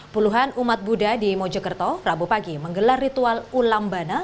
puluhan umat buddha di mojokerto rabu pagi menggelar ritual ulambana